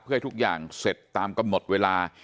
เพื่อให้ทุกอย่างเสร็จตามกำหนดเวลา